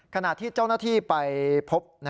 ขณะที่เจ้าหน้าที่ไปพบ